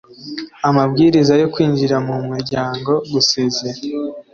amabwiriza yo kwinjira mu muryango gusezera